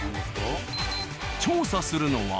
調査するのは。